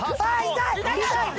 痛い！